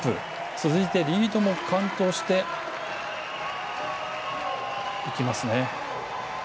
続いて、リードも完登していきますね。